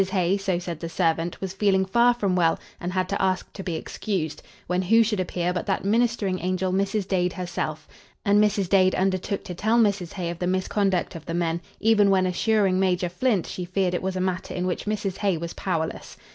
Hay, so said the servant, was feeling far from well and had to ask to be excused, when who should appear but that ministering angel Mrs. Dade herself, and Mrs. Dade undertook to tell Mrs. Hay of the misconduct of the men, even when assuring Major Flint she feared it was a matter in which Mrs. Hay was powerless.